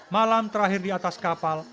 malam terakhir di atas kapal